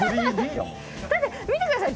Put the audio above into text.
見てください。